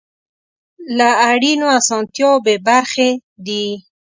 له اړینو اسانتیاوو بې برخې دي.